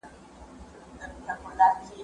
زه کولای سم پوښتنه وکړم!.